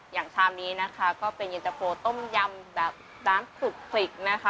อย่างชามนี้นะคะก็เป็นเย็นตาโฟต้มยำแบบด้านสุขฝีกนะคะ